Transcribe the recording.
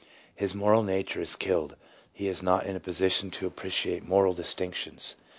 His moral nature is killed, he is not in a position to appreciate moral distinctions.